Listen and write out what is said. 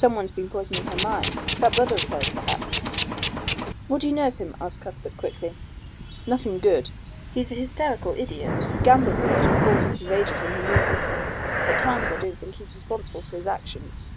"Someone's been poisoning her mind. That brother of hers, perhaps." "What do you know of him?" asked Cuthbert quickly. "Nothing good. He's an hysterical idiot. Gambles a lot and falls into rages when he loses. At times I don't think he's responsible for his actions."